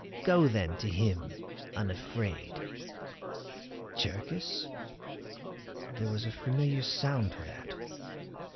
Go then to him unafraid." Cherkis? There was a familiar sound to that.